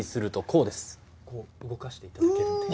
こう動かしていただけるんで。